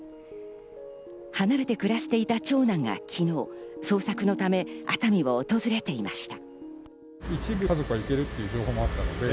離れて暮らしていた長男が昨日、捜索のため、熱海を訪れていました。